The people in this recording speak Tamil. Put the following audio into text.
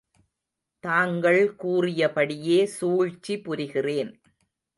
தாங்கள் கூறியபடியே சூழ்ச்சி புரிகிறேன்.